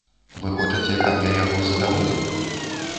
Вы хочаце, каб я яго задаволіў?